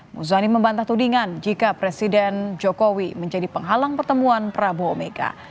muzani membantah tudingan jika presiden jokowi menjadi penghalang pertemuan prabowo mega